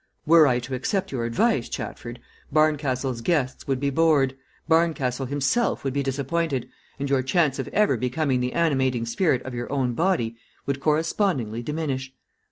Were I to accept your advice, Chatford, Barncastle's guests would be bored, Barncastle himself would be disappointed, and your chance of ever becoming the animating spirit of your own body would correspondingly diminish.